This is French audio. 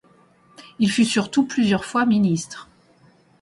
Il fut surtout plusieurs fois ministre.